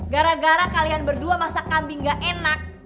gara gara kalian berdua masak kambing gak enak